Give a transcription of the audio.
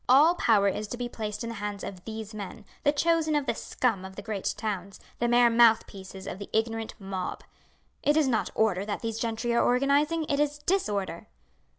All power is to be placed in the hands of these men, the chosen of the scum of the great towns, the mere mouthpieces of the ignorant mob. It is not order that these gentry are organizing, it is disorder."